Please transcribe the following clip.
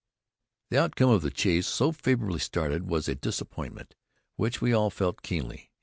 The outcome of the chase, so favorably started was a disappointment, which we all felt keenly.